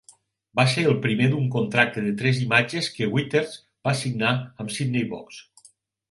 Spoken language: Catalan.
Va ser el primer d'un contracte de tres imatges que Withers va signar amb Sydney Box.